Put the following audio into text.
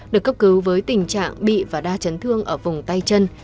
được cấp cứu với tình trạng bị và đa chấn thương ở vùng tay chân